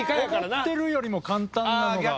思ってるよりも簡単なのが。